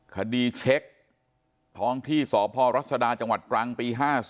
เช็คท้องที่สพรัศดาจังหวัดตรังปี๕๔